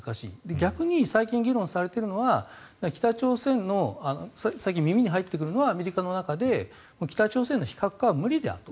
逆に最近議論されているのは最近耳に入ってくるのはアメリカの中で北朝鮮の非核化は無理であると。